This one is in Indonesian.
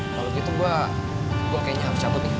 kalo gitu gue kayaknya harus cabut nih